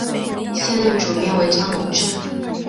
现任主编为张珑正。